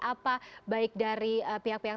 apa baik dari pihak pihak